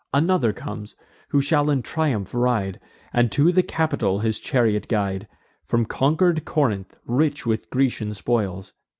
Another comes, who shall in triumph ride, And to the Capitol his chariot guide, From conquer'd Corinth, rich with Grecian spoils.